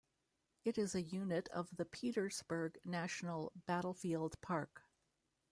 It is a unit of the Petersburg National Battlefield Park.